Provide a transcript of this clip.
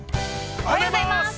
◆おはようございます。